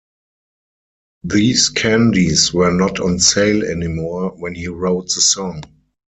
These candies were not on sale anymore when he wrote the song.